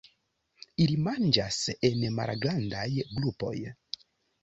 Ili manĝas en malgrandaj grupoj.